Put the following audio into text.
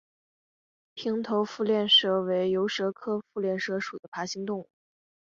平头腹链蛇为游蛇科腹链蛇属的爬行动物。